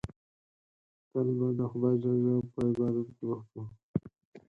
تل به د خدای جل جلاله په عبادت بوخت وو.